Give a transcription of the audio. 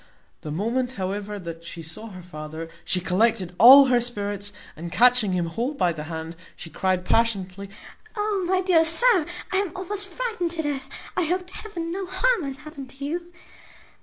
The moment, however, that she saw her father, she collected all her spirits, and, catching him hold by the hand, she cryed passionately, "O my dear sir, I am almost frightened to death! I hope to heaven no harm hath happened to you."